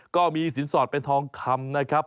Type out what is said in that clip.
ก็มีสินสอดเป็นทองคำนะครับ